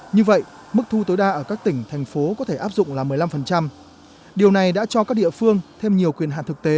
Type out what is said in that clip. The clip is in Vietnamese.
như vậy mức thu tối đa ở các tỉnh thành phố có thể áp dụng là một mươi năm